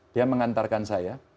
dia mengantarkan saya